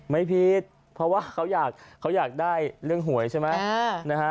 ไม่ผิดเพราะว่าเขาอยากได้เรื่องหวยใช่ไหม